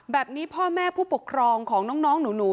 แบบนี้พ่อแม่ผู้ปกครองของน้องหนู